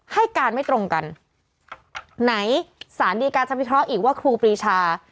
ให้การไม่ตรงกันไหนสารดีการจะพิเคราะห์อีกว่าครูปรีชา